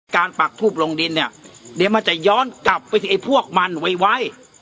ปักทูบลงดินเนี่ยเดี๋ยวมันจะย้อนกลับไปที่ไอ้พวกมันไว